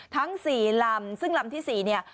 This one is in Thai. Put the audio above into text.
ทั้ง๔ลำซึ่งลำที่๔เนี่ย